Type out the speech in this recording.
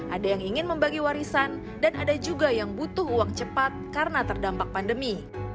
ada yang ingin membagi warisan dan ada juga yang butuh uang cepat karena terdampak pandemi